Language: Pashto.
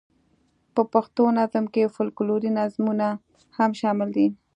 په پښتو نظم کې فوکلوري نظمونه هم شامل دي.